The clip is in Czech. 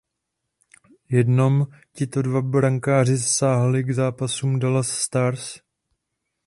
Jenom tito dva brankáři zasáhli k zápasům Dallas Stars.